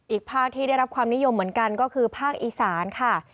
อีกภาคที่ได้รับความนิยมเหมือนกันก็คือภาคอีสานค่ะ